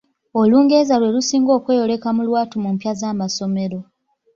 Olungereza lwe lusinga okweyoleka mu lwattu mu mpya z'amasomero.